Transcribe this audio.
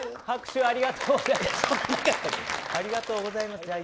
拍手ありがとうございます。